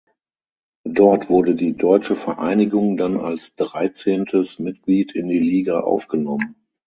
Dort wurde die deutsche Vereinigung dann als dreizehntes Mitglied in die Liga aufgenommen.